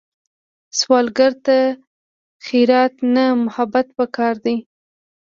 سوالګر ته خیرات نه، محبت پکار دی